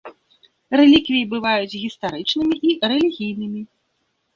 Рэліквіі бываюць гістарычнымі і рэлігійнымі.